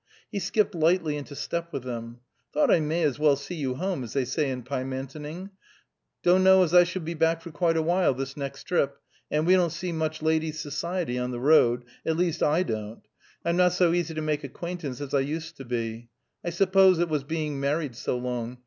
He skipped lightly into step with them. "Thought I might as well see you home, as they say in Pymantoning. Do' know as I shall be back for quite a while, this next trip, and we don't see much ladies' society on the road; at least, I don't. I'm not so easy to make acquaintance as I used to be. I suppose it was being married so long.